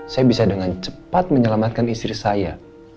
saya bisa dengan cepat menyelamatkan istri saya